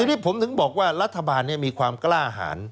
ทีนี้ผมถึงบอกว่ารัฐบาลมีความกล้าหาร